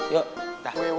yaudah yuk dah